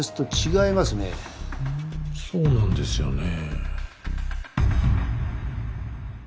そうなんですよね。